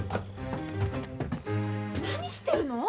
何してるの？